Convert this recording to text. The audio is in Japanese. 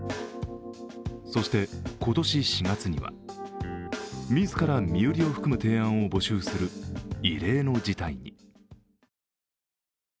そして今年４月には自ら身売りを含む提案を募集する異例の事態に。